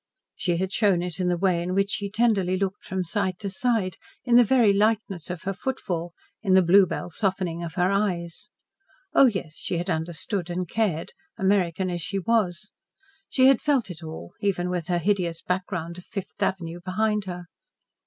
She had shown it in the way in which she tenderly looked from side to side, in the very lightness of her footfall, in the bluebell softening of her eyes. Oh, yes, she had understood and cared, American as she was! She had felt it all, even with her hideous background of Fifth Avenue behind her.